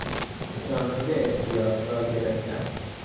جانب احتیاط را گرفتن